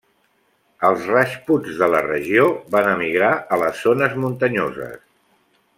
Els rajputs de la regió van emigrar a les zones muntanyoses.